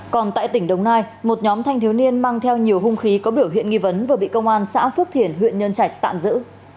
còn tại tỉnh đồng nai một nhóm thanh thiếu niên mang theo nhiều hung khí có biểu hiện nghi vấn vừa bị công an xã phước thiền huyện nhân trạch tạm giữ